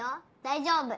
大丈夫。